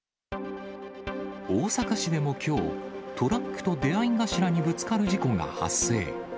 大阪市でもきょう、トラックと出会い頭にぶつかる事故が発生。